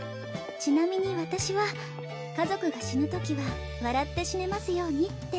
ちなみに私は家族が死ぬときは笑って死ねますようにって。